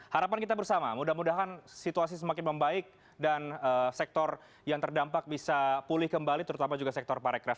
harapan kita bersama mudah mudahan situasi semakin membaik dan sektor yang terdampak bisa pulih kembali terutama juga sektor pariwisata